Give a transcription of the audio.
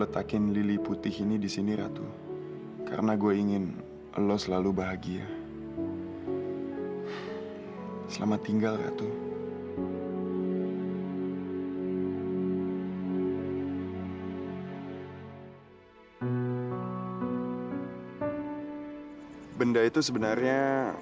sampai jumpa di video selanjutnya